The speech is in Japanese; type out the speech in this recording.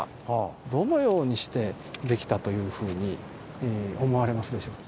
どのようにして出来たというふうに思われますでしょう？